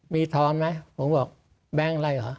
มีทอนไหมผมบอกแบงค์อะไรเหรอ